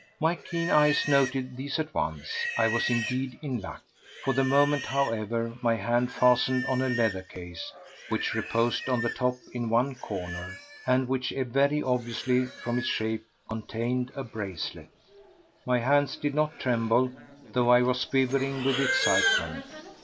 My keen eyes noted these at once. I was indeed in luck! For the moment, however, my hand fastened on a leather case which reposed on the top in one corner, and which very obviously, from its shape, contained a bracelet. My hands did not tremble, though I was quivering with excitement.